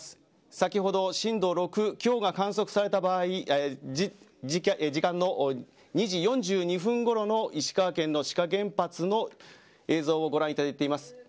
先ほど震度６強が観測された時間の４時４２分ごろの石川県の志賀原発の映像をご覧いただいています。